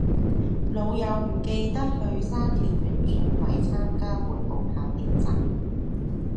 老友唔記得去沙田源順圍參加緩步跑練習